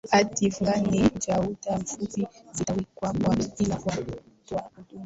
hati fungani za muda mfupi zitawekwa kwa kila watoa huduma